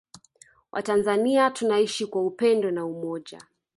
Watanzania tunaishi kwa upendo na umoja